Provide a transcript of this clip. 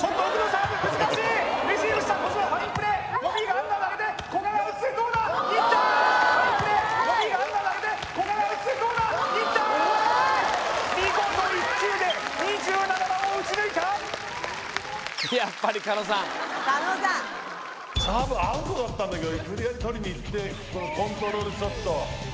サーブアウトだったんだけど無理やり取りに行ってこのコントロールショット